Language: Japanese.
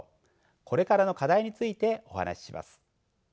これからの課題についてお話しします。